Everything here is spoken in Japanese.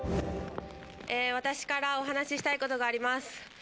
私からお話したいことがあります。